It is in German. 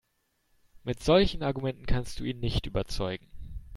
Mit solchen Argumenten kannst du ihn nicht überzeugen.